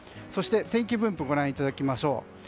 そして天気分布ご覧いただきます。